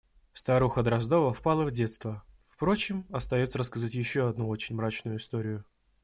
Старуха Дроздова впала в детство… Впрочем, остается рассказать еще одну очень мрачную историю.